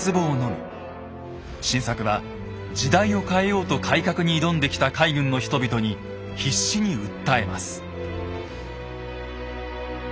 晋作は時代を変えようと改革に挑んできた海軍の人々に必死に訴えます。